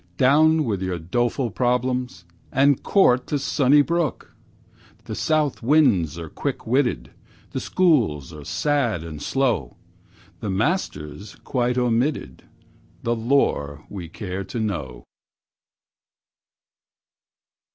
Down with your doleful problems, And court the sunny brook. The south winds are quick witted, The schools are sad and slow, The masters quite omitted The lore we care to know.